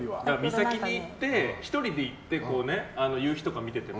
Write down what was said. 岬に１人で行って夕日とか見てても。